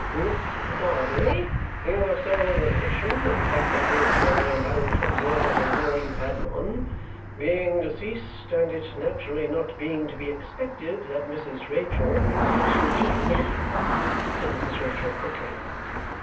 "Miss Barbary, your sole relation (in fact that is, for I am bound to observe that in law you had none) being deceased and it naturally not being to be expected that Mrs. Rachael " "Oh, dear no!" said Mrs. Rachael quickly.